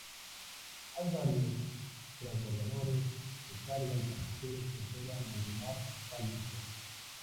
Hay varios transbordadores de carga y pasajeros que operan en el mar Báltico.